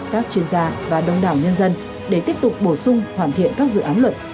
các chuyên gia và đông đảo nhân dân để tiếp tục bổ sung hoàn thiện các dự án luật